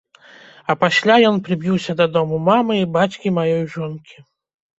А пасля ён прыбіўся да дому мамы і бацькі маёй жонкі.